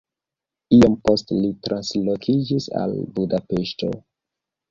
Iom poste li translokiĝis al Budapeŝto.